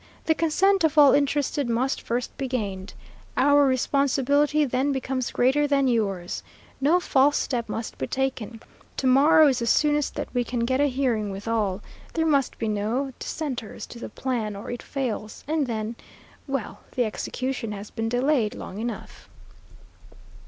The consent of all interested must first be gained. Our responsibility then becomes greater than yours. No false step must be taken. To morrow is the soonest that we can get a hearing with all. There must be no dissenters to the plan or it fails, and then well, the execution has been delayed long enough."